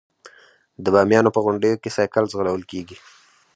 د بامیانو په غونډیو کې سایکل ځغلول کیږي.